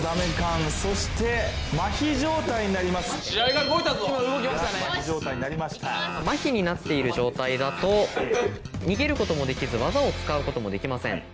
マヒになっている状態だと逃げることもできずワザを使うこともできません。